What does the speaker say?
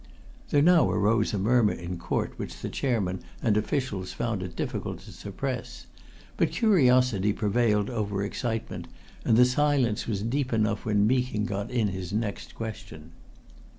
There now arose a murmur in court which the Chairman and officials found it difficult to suppress. But curiosity prevailed over excitement, and the silence was deep enough when Meeking got in his next question.